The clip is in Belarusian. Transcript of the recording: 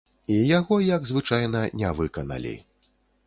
І яго, як звычайна, не выканалі.